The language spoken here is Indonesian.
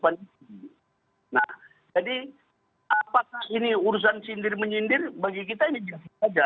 nah jadi apakah ini urusan cindir mencindir bagi kita ini jelas saja